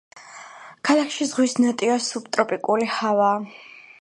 ქალაქში ზღვის ნოტიო სუბტროპიკული ჰავაა.